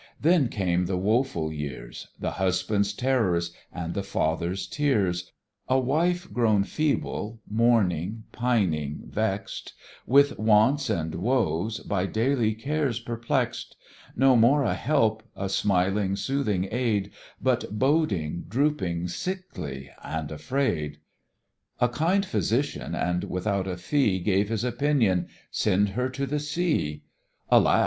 then came the woeful years; The husband's terrors, and the father's tears; A wife grown feeble, mourning, pining, vex'd With wants and woes by daily cares perplex'd; No more a help, a smiling, soothing aid, But boding, drooping, sickly, and afraid. A kind physician, and without a fee, Gave his opinion "Send her to the sea." "Alas!"